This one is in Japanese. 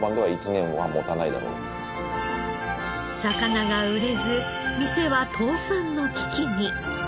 魚が売れず店は倒産の危機に。